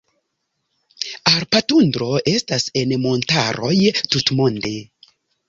Alpa tundro estas en montaroj tutmonde.